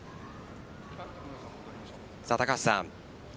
高橋さん。